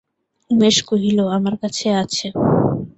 উমেশ কহিল, আমার কাছে আছে।